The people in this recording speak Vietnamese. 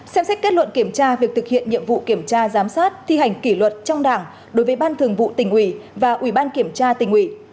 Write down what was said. xem xét kết luận kiểm tra việc thực hiện nhiệm vụ kiểm tra giám sát thi hành kỷ luật trong đảng đối với ban thường vụ tình ủy và ubnd tình ủy